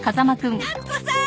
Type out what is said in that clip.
樹子さん！